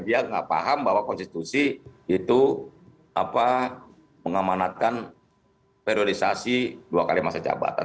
dia nggak paham bahwa konstitusi itu mengamanatkan periodisasi dua kali masa jabatan